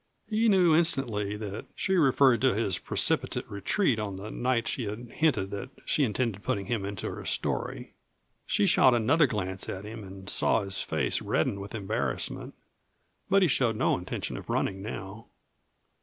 He knew instantly that she referred to his precipitate retreat on the night she had hinted that she intended putting him into her story. She shot another glance at him and saw his face redden with embarrassment, but he showed no intention of running now.